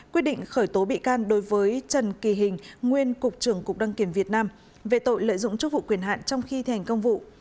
quyết định khởi tố bị can đối với trần kỳ hình nguyên cục trưởng cục đăng kiểm việt nam về tội lợi dụng chức vụ quyền hạn trong khi thành công vụ